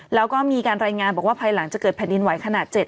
แล้วก็มีการรายงานบอกว่าภายหลังจากเกิดแผ่นดินไหวขนาด๗